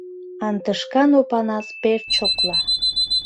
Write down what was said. Антышкан Опанас пеш чокла.